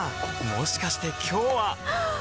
もしかして今日ははっ！